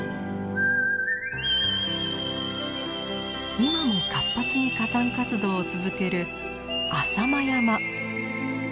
今も活発に火山活動を続ける浅間山。